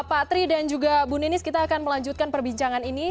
pak tri dan juga bu ninis kita akan melanjutkan perbincangan ini